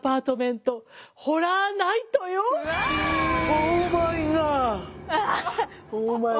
オーマイガー！